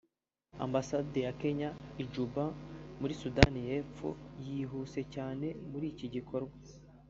“Ambasade ya Kenya i Juba (muri Sudani y’Epfo) yihuse cyane muri iki gikorwa